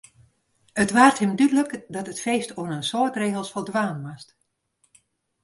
It waard him dúdlik dat it feest oan in soad regels foldwaan moast.